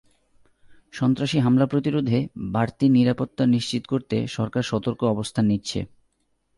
সন্ত্রাসী হামলা প্রতিরোধে বাড়তি নিরাপত্তা নিশ্চিত করতে সরকার সতর্ক অবস্থান নিচ্ছে।